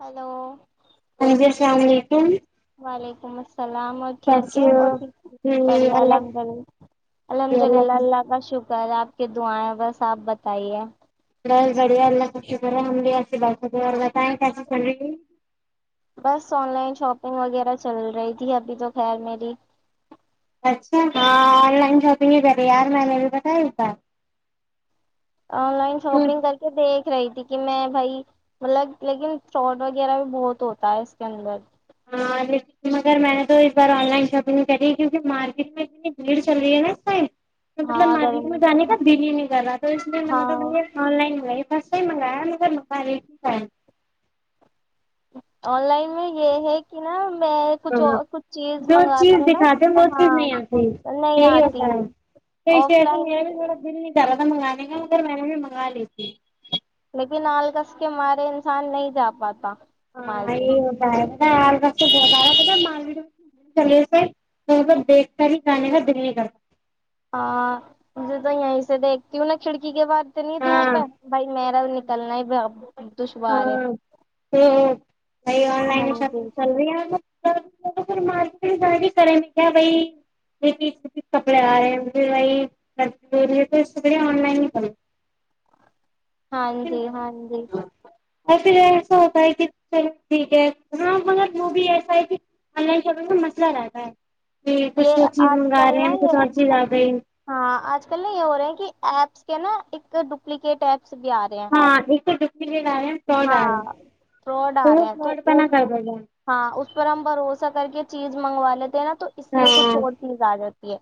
hello ہانجی السلام علیکم وعلیکم السلام اور ٹھیک کیسے ہے ہو اور ھیک جی بڑھیا اللہ الحمد اللہ الحمد للہ اللہ کا شکر کل آپ کی دعائیں بس آپ بتائیے زڑ اللہ ک ش کری بت ہےس بس آن لائن شاپنگ وغیرہ چل رہی تھی ابھی تو خیر میری اچھا ہاں آن لائن شاپنگ بھی کری ہے یار میں نے بھی بتایا اس بار آن لائن تو شاپنگ کر کے دیکھ د رہی تھی کہ میں بھائی مطلب لیکن فراڈ وغیرہ بھی بہت ہوتا ہے اس کے اندر ہاں لیکن مگر میں نے تو اس بار آن لائن شاپنگ کری ہے کیونکہ مارکیٹ میں اتنی بھیڑ چل رہی ہے نا اسٹائم مطلب ہاں در مارک میں جانے کا دلی میں [unintelligible] ہاں توے آن لائن و سس ہی منگایا مگر منگاٹ ہے آن لائن میں یہ ہے کہ نا میں کچھ ہاں کچھ چیز جو چیز منگاتی ہوں نا دکھاتے وہ چیز ہاں نہیں آتی نہیں یہی آتی ہوتا ہے تو آف ط سے میرا بھی لائن تھوڑا دل نہیں ڈالا تھا منگانے کا مگر میں نے خالی ت لال کس کے مارے انسان نہیں جا پاتا ہاں مارکیٹ یہ ہوتا ہے بہت آا مانا کہے دیکھ کر ہی گانے کا دل نہیں کر سکتا ہاں مجھے تو یہیں سے دیکھتی ہوں نا کھڑکی کے بعد اتنی دھوپ ہاں ہے بھائی ما نکلنا ہی دشوار ہے ہاں تو وہ آن ہاں لائن شپگ جی چل رہی ہے مارکیٹ ہی کریں کیا ب کپڑے آ رہے رہی ہے توے آن لائن ہی کروں ہاں جی ہاں جی اور پھر ایسا ہوتا ہے کہ ٹھیک ہے ہاں ملگر وہ بھی ایسا ہے کہ آن لائن ش کا مسئلہ رہتا ہے کہ کچھ وہ یہ چیز آج منگا کل رہے نا ہیں یہ کچھ اور چیز آ گئی ہاں آج کل نا یہ ہو رہے ہیں کہ ایپس کیا نا ایک ڈوپلییکیٹ ایک ہاں ایک رہ فڈ آ رہ ہے ہاں فراڈ آ رہے تھ ہیں تو فڈ پنا اس کر گ ہاں اس پر ہم بھروسہ کر کے چیز منگوا لیتے ہیں نا تو اس ہاں لیے کچھ اور چیز آ جاتی ہے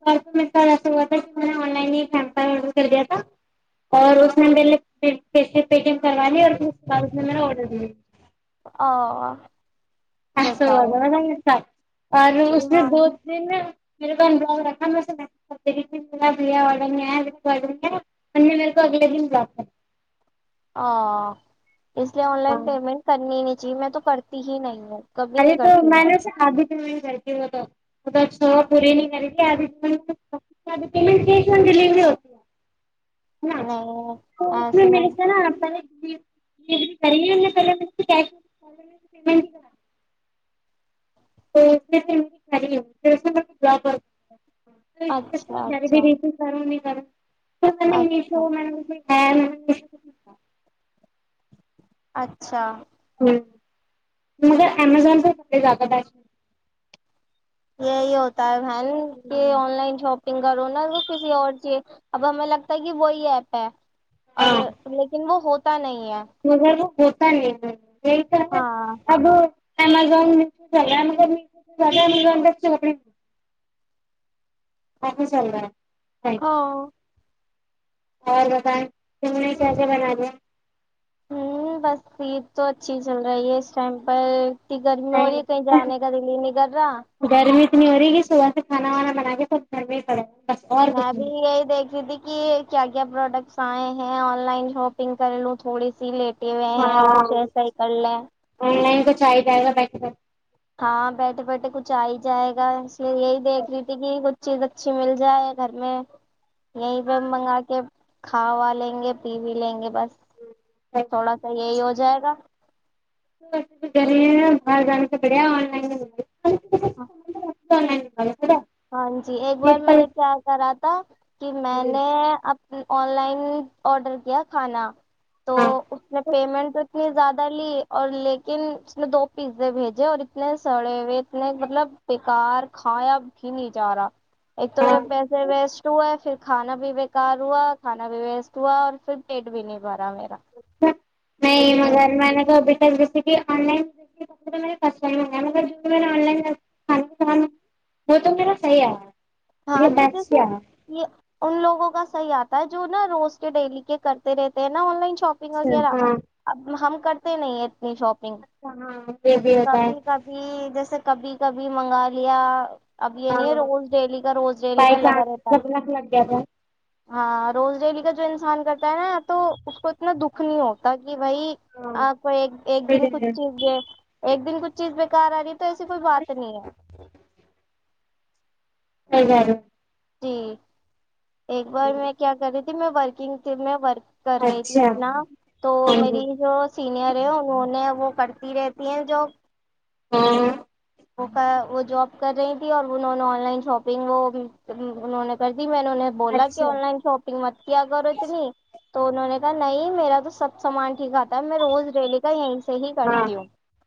م ک ایسا ہوا تھا کہ میں نے آن لائن ہی سمر آڈر کر دیا تھا اور اس میںم کروانی اورا [unintelligible] آ بتاؤ [unintelligible] اور اس میں ہاں دو دن میرے کو ان بک رکھا میںے کرب آڈر نہیں آیا نہیںیا نے میرے کو اگلے دن ب کر آ اس لیے آن دیا لائن پیمنٹ کرنی ہی نہیں جی میں تو کرتی ہی نہیں ہ ارے تو میں نے سے شادی پٹ کرتی ا چ پوری نہیں کرتیدھی پدھی پیمنٹ کی آن ڈیلیوری ہوتی ہے ہ نہیں تو اس میں ایسے م- ملتے نا آ نے ڈلیوری کری ہے ہم نے پہلے سے کیش پیمنٹ ہی کرا تو اس میں پھر ان کھی ہوگی پ اچھا س جال بھی اچھا د پار سر میشو اچھا میںج ہ اچھا ہ مگر امزون پہے زیادہ بیش نہیں یہی ہوتا ہے بہن کہ آن لائن شاپنگ کرو نا تو کسی اور چیز اب ہمیں لگتا ہے کہ وہی ایپ ہے اور لیکن وہ ہوتا پت نہیں ہے [unintelligible] ت نہیں ہاں امزون ومزون کچ ک آپا چل رہا ہے ہ اور دکان نہیں کیسے بنا دیں ہوں بس یہید تو اچھی چل رہی ہے اس ٹائم پر انی گرمی ہو رہی ہے کہیں جانے کا دلی نہیں کرر رہا کنی ہو رہی ہےی صبح سے کانا وانا بنا کے سھرر ہی پڑے گے میں بھی یہی دیکھی تھی کہ کیا کیا پروڈکٹس آئے ہیں آن لائن شاپنگ کر لوں تھوڑی سی لیٹ ہاں آن لائن کچ چاہ جائے گا ہاں بیٹھے بیٹھے کچھ آ ہی جائے گا یہ د ایک ریتی کی گ چیز اچھی مل جائے گھر میں یہیں پہ ہم منگا کے کھا وا لیں گے پی بھی لیں گے بس بیٹھے تھوڑا سا یہ ہو جائے گا وسے تو ج رہی ہے ن باہر جانے سے پڑےیا آن لائن میں [inaudible] [inaudible] ہاں جی ایک بار میں نے کیا کرا تھا کہ میں نے اب آن لائن آڈر کیا کھانا تو اس نے پیمنٹ اتنی زیادہ لی اور لیکن اس نے دو پیزے بھیجے اور اتنے سڑے ہوئے اتنے مطلب بیکار کھایا ہی نہیں جا رہا ایک تو میرے پیسے ویسٹ ہوئے ہے پھر کھانا بھی بےیکار ہوا کھانا بھی ویسٹ ہوا اور پھر پیٹ بھی نہیں بھرا ا ویرا نہیں مگر میں نے تو ابھی جیے آن لائن ٹ منگایا مگر جو نے آن لائن وہ تو میرا صحی آ رہا ہے ہاں تو جیسے یہ ان لوگوں کا ا ہی آتا ہے جو نا روسٹ ڈیلی کے کرتے رہتے ہیں نا آن لائن شاپنگ وغیرہ ہاں ا ہم کرتے نہیں اتنی شاپ اچھا ہاں یہ بھی ہوتا ہے کبھی جیسے کبھی کبھی منگا لیا اب یہ نہیں ہے روز ڈیلی کا روز ڈیلی بائے کا چان لگا رہتا ہے سگناس لگ گیا تھا ہاں روز ڈیلی کا جو انسان کرتا ہے نا تو اس کو اتنا دکھ نہیں ہوتا وہی ہاں آپ کو ایک ایک صحیح دن کہہ کچھ رہے ہو چیز ایک دن کچھ چیز کاری تو ایسی کوئی بات اچھا نہیں ہے ہزار جی ایک بار میں کیا کری ت میں ورکنگ سے میںک کر رہی تھی اپنا تو میری جو سینئر ہیں انہوں نے وہ کرتی رہتی ہیں جو ہاں واہ جاب کر رہی تھی اور آن لائن شاپنگ انہوں نے ب جی میں نے انہیں بولا کہ اچھا آن لائن شاپنگ مت کیا کرو اتنی تو انہوں نے کہا نہیں میرا تو سب سامان ٹھیک کاتا ہے میں روز ریلی کا یہیں سے ہی ہاں کرتی ہوں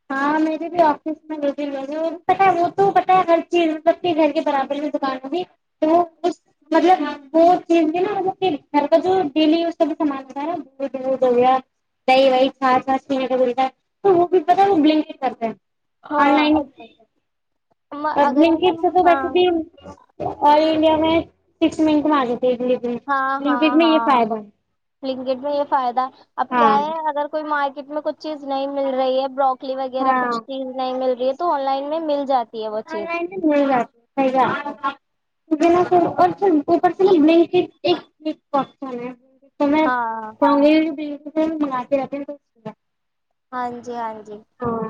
ہاں میری بھی آفس میں ب پتا ہے وہ تو پتاہ ہے ہر چیز ملب گھر کے برابر میں دکان ہوگ تو وہ مطلب وہ چیز نا وہ گھر کا جو ڈیلی وز کا سامان ہوتا ہے نا گود وود ہو گیا دہی وی چھس وا پینے کا بولتا ہے تو وہ بھی پتا وہ بلنک کرتے ہاں اگر جیسے تو ہاں ویسے بھی آ انڈیا میں سکس مین کو مار دوں ہ ہاں ہاں ہاں ہے لنکٹ میں یہ فائدہ اب ہاں کیا ہے اگر کوئی مارک کتنا کچھ چیز نہیں مل رہی ہے بروکلی وغیرہ کچھ چیز نہیں مل رہی ہے تو آن لائن میں مل جاتی ہے وہ چیز [unintelligible] [unintelligible] ہاں [unintelligible] نہیں ہاں جی ہاں جی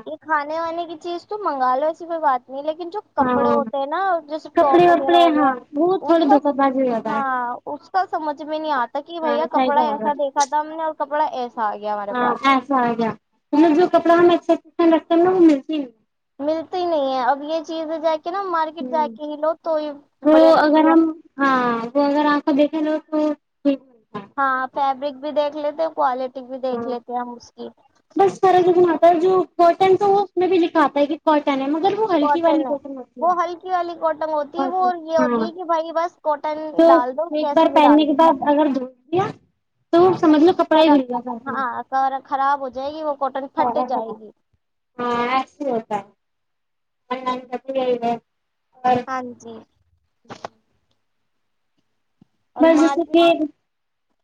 یہ کھانے وے کی چیز تو منگا لو اس میں بات نہیں لیکن جو کپڑے ہاں ہوتے ہیں نا جیسے ٹاپ کپڑے وغیرہ وپڑے ہو گیا ہاں وہ اس تھوڑی کا دھوکہ بازی ہو جاتا ہے ہاں اس کا سمجھ میں نہیں آتا کہ ہاں بھیا صحیح کپڑا برابر ایسا دیکھا تھا ہم نے اور [unintelligible] ہمارے ہاں پاس خسا ہم جو کپڑا ہم ا پند رکھتے ہیں نا وہ ملتی ملتی ہی نہیں ہے اب یہ چیز جا کے نا ہ مارکیٹ جا کے ہی لو تو یہ تو بڑھیا اگر لگتی ہے ہم ہاں وہ اگر آ کا دیکھیں ل ہ جی ہاں فیبرک بھی دیکھ لیتے کوالٹی بھی دیکھ لیتے ہیں ہم اس کی اس طرح سے بناتا ہے جو کاٹن تو وہ اس میں بھی لکھاتا ہے کہ کاٹن ہے م مگر وہ ہلکی والی کاٹن ہے بٹن ہوتی وہ ہے ہلکی والی کاٹن ہوتی ہے وہ یہ ہوتی ہے ہاں کہ بھائی بس کوٹن تو ڈال دو ایک بار کیسی بھی پہننے ڈال کے دو بعد اگر دھو دیا تو سمجھ لو کپڑا ہی دھل گیا سارا ہاں خراب ہو جائے گی وہ کاٹن پھٹ جائے سارا، گی مم کا پور ہے اور ہاں جی اور میں جسے مارکیٹ کہ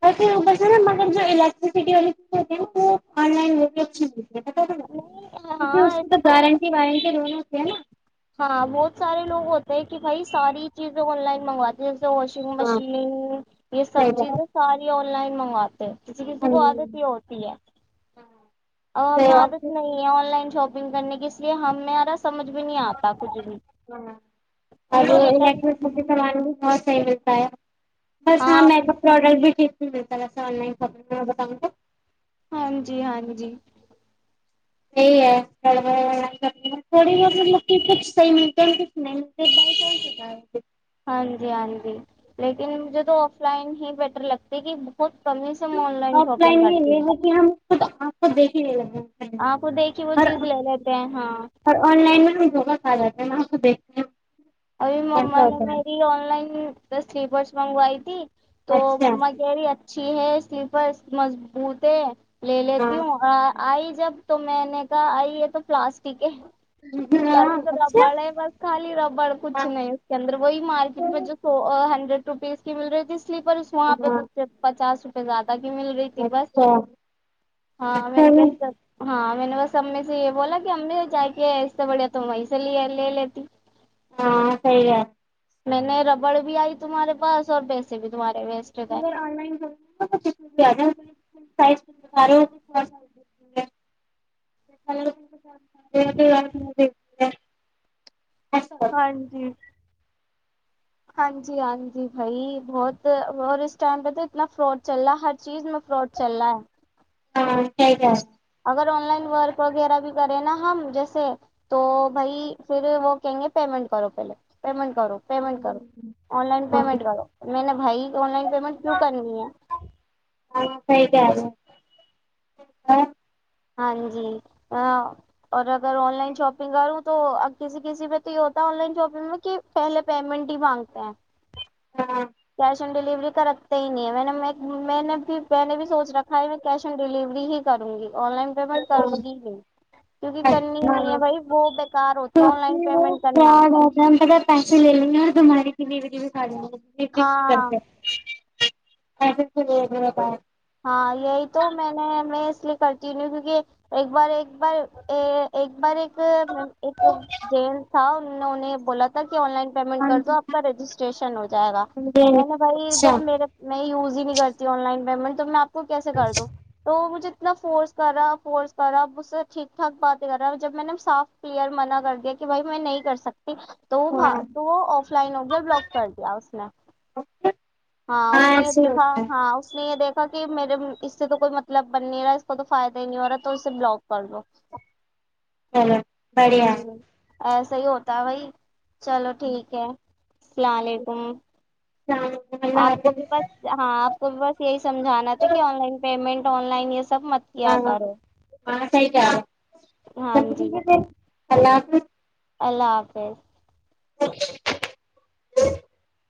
اور پھر بسے نا مگر جو الیکٹرسٹی والی چیز ہوتی ہے وہ آن لائن چ تھا نہیں کیونکہ ہاں اس کی تو ایسا گارنٹی وارنٹی دونوں ہے نا [unintelligible] ہاں بہت سار لوگ ہوتے ہیں کہ بھائی ساری چیزیں آن لائن منگوات د ہیں واشنگ ہاں مشین یہ صحیح سب بات ہے، چیزیں ساری اور ن لائن منگواتے ہیں کسی کسی ہاں کو عادت ہی ہوتی ہے اور تو ہمیں آپ عادت نہیں ہے آن لائن شاپنگ کرنے کے اس لیے ہمیںارا سمج بھی نہیں آتا کچھ بھی ہاں ان کو اور ریٹرن الیکٹرسٹی سامان بھی بہت صحیح ملتا ہے [unintelligible] بس ہاں میک اپ پروڈکٹ بھی جل آن لائن خب بتاؤ کو [unintelligible] ہاں جی ہاں جی ی ہے تھڑی م کچھ صحی متاچھ نہیں [unintelligible] ہاں جی ہاں جی لیکن مجھے تو آف لائن ہی بیٹر لگتی کہ بہت کم ہی سے میں آن لائن شاپنگ کرتی ہوں تو تو آپ کو دیکھ ہی نہیں لگ ہے آپ کو دیکھی وہ چیز لے لیتے ہیں ہاں آ کو دیکھتے [unintelligible] ابھی مما کیسا نے ہوتا ہے میری آن لائن تو سلیپرس منگوئی ت تو ما اچھا کہہ رہی ہے اچھی چیں سلیپر مضبوط ہے لے ہاں لیتی ہوں آئی جب تو میں نے کہا آئی یہ تو پلاسٹک ہے ہاں ل تو اچھا ربڑ ہے بس خالی ربڑ کچھ ہاں نہیں اس کے اندر وہی مارکٹ میں جو سو ہڈریڈ روپیز کی مل رہی تھی سلیپر وہاں پہ ہاں کچھ پچاس رپ زدہ [unintelligible] مل رہی تھی بس اچھا ہاں میں اچھا نے ہاں میں نے بس امی سے یہ بولا کہ امی سے جا کے اس سے بڑھیا تو وہیں سے لے لے لیتی ہاں صی ہے میں نے ربڑ بھی آئی تمہارے پاس اور پیسے بھی تمہارے ویسٹ گئے مگر آ لائن کرائ بارے ہو ا اے رات م [unintelligible] اچ [unintelligible] ہاں جی ہاں جی ہاں جی بھائی بہت اور اس ٹائم پہ تو اتنا فراڈ چل رہا ہے ہر چیز میں فراڈ چل رہا ہے ہاں جی اگر آن لائن ورک وغیرہ بھی کریں نا ہم جیسے تو بھائی پھر وہ کہیں گے پیمنٹ کرو پہلے پیمنٹ کرو پیمنٹ کرو آن لائن پیمنٹ کرو میں نے بھائی آن لائن پیمنٹ کیوں کرنی ہے ہاں ہاں جی اور اگر آن لائن شاپنگ کروں تو ا کسی کسی پہ تو یہ ہوتا ہے آن لائن شاپنگ میں کہ پہلے پیمنٹ ہی مانگتے ہیں ہاں کیش آن ڈیلیوری کا رکھتے ہی نہیں ہے میں نے میں نے بھی میں نے بھی سوچ رکھا ہے میں کیش آن ڈلیوری ہی کروں گی آن لائن پیمنٹ کروں گی ہی کیونکہ کرنی ہی ہاں نہیں ہے بھائی وہ بکار ہوتی ہے آن کیونکہ لائن وہ پیمنٹ کرنا فراڈ کنے بجے بھی کرڑی ہاں کرتے ا میر ہاں یہی تو میں نےیں اس لیے کرتی کیونکہ ایک بار ایک بار ایک بار ایک ایک جین تھا ان نے انہیں بولا تھا آن لائن پیمنٹ ہاں کر دو آپ کا رجسٹریشن ہو جائے گا جی میں نے بھائی اچھا جب میر میں یوز نہیں کرتی آن لائن پیمنٹ تم آ کو کیسے کر دووں تو مجھے اتنا فورس کرا فورس کرا ب سے ٹھیک ٹھاک باتیں کر رہا جب میں نے صاف پلیئر منع کر دیا کہ بھائی میں نہیں کر سکتا تو وہ تو وہ آف لائن ہو کے بلاک کر ہاں دیا اس نے ہاں اس نے یہ ایسے ہی دیکھا ہوتا ہے ہاں اس نے یہ دیکھا کہ میرے اس سے تو کوئی مطلب بن نہیں رہا ہے اس کو تو فائدہ ہی نہیں ہو رہا تو اسے بلاک کر لو چلو بڑھیا ایسا ہی ہوتا ہے بھائی چلو ٹھیک ہے اللام علیکم اللہ آپ کو حافظ بھی بس ہاں آپ کو بھی بس یہی سمجھانا تھا کہ online payment online سب مت کیا کرو ہاںٹا ہاں جی اللہ حافظ اللہ حافظ [inaudible]